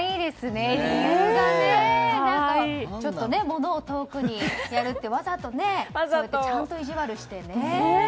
ちょっとものを遠くにやるってわざと、ちゃんと意地悪してね。